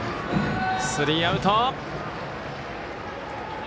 スリーアウト。